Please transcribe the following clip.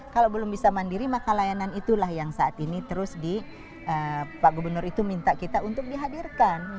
kalau belum bisa mandiri maka layanan itulah yang saat ini terus di pak gubernur itu minta kita untuk dihadirkan